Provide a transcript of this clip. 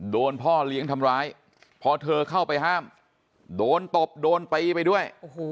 โดนพ่อเลี้ยงทำร้ายพอเธอเข้าไปห้ามโดนตบโดนตีไปด้วย